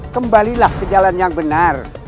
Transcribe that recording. kembalilah ke jalan yang benar